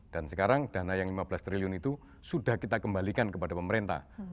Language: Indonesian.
dan sekarang dana yang lima belas triliun itu sudah kita kembalikan kepada pemerintah